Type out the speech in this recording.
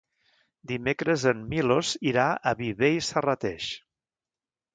Dimecres en Milos irà a Viver i Serrateix.